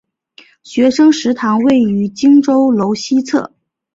学生食堂位于荆州楼西侧。